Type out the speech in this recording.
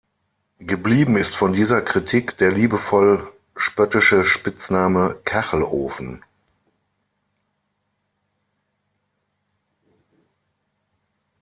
Geblieben ist von dieser Kritik der liebevoll spöttische Spitzname "Kachelofen".